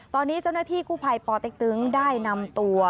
ตอนนี้เจ้าหน้าที่กู้ภัยปเต็กตึงได้นำตัว